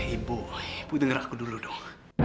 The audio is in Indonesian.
ibu ibu denger aku dulu dong